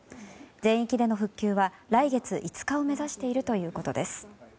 全域での復旧は来月５日を目指しているということです。